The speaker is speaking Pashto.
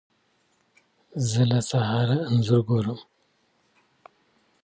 زه له سهاره انځور ګورم،